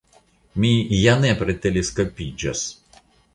mi ja nepre teleskopiĝas!